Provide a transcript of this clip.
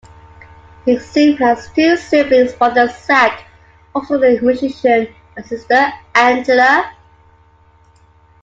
Hexum has two siblings: brother Zack, also a musician, and sister Angela.